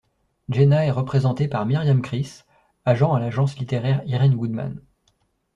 Jenna est représentée par Miriam Kriss, agent à l’agence littéraire Irene Goodman.